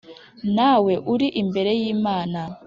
Nawe uri imbere y imana